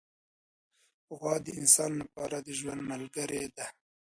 غوا د انسان له پاره د ژوند ملګرې ده.